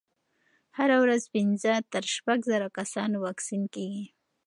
هره ورځ پنځه تر شپږ زره کسانو واکسین کېږي.